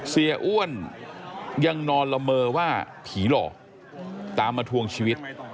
เสียอ้วนยังนอนละเมอว่าผีหลอกตามมาทวงชีวิต